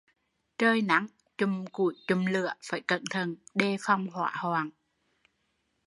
Trời nắng, chụm củi chụm lửa phải cẩn thận, đề phòng hỏa hoạn